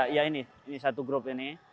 iya ini satu grup ini